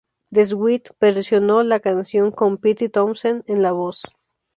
The Sweet versionó la canción con Pete Townshend en la voz.